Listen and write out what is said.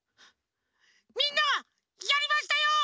みんなやりましたよ！